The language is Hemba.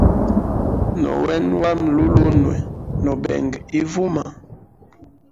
Nowena wami lulunwe, no benga ivuma.